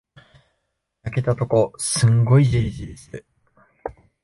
焼けたとこ、すんごいじりじりする。